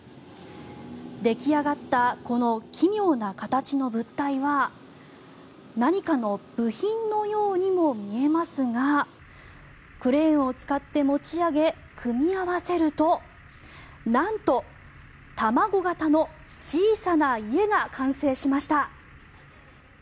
出来上がったこの奇妙な形の物体は何かの部品のようにも見えますがクレーンを使って持ち上げ組み合わせるとなんと、卵型の小さな家が完成しました。